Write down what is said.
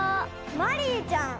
マリイちゃん。